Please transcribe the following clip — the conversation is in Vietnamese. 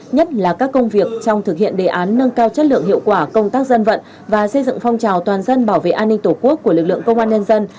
nhất là các công việc trong thực hiện đề án nâng cao chất lượng hiệu quả công tác dân vận và xây dựng phong trào toàn dân bảo vệ an ninh tổ quốc của lực lượng công an nhân dân